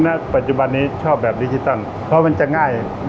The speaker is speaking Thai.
สวัสดีครับผมชื่อสามารถชานุบาลชื่อเล่นว่าขิงถ่ายหนังสุ่นแห่ง